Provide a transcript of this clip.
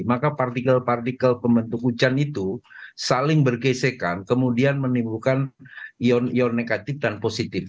maka partikel partikel pembentuk hujan itu saling bergesekan kemudian menimbulkan ion ion negatif dan positif